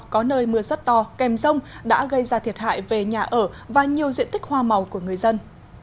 có nơi mưa rất to kèm rông đã gây ra thiệt hại về nhà ở và nhiều diện tích hoa màu của người dân